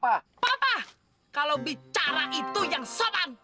papa kalau bicara itu yang sopan